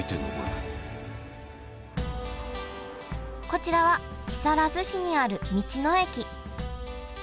こちらは木更津市にある道の駅。